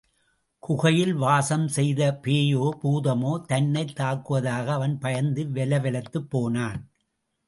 குகையில் வாசம் செய்த பேயோ, பூதமோ தன்னைத் தாக்குவதாக அவன் பயந்து வெலவெலத்துப் போனான்.